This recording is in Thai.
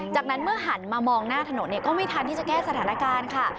จากนั้นเมื่อหันมามองหน้าถนนก็ไม่ทันที่จะแก้สถานการณ์ค่ะ